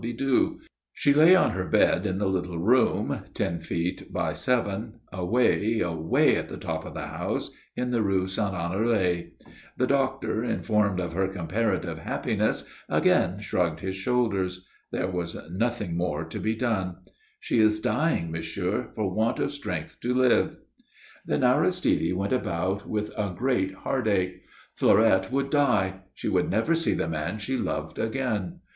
Bidoux. She lay on her bed in the little room, ten feet by seven, away, away at the top of the house in the Rue Saint Honoré. The doctor, informed of her comparative happiness, again shrugged his shoulders. There was nothing more to be done. "She is dying, monsieur, for want of strength to live." Then Aristide went about with a great heartache. Fleurette would die; she would never see the man she loved again.